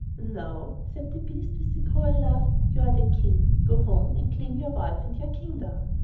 "Now," said the beast, with a cruel laugh, "you are the King! Go home and claim your wife and your kingdom."